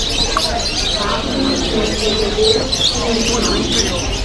Paca pezza davo suna rivats.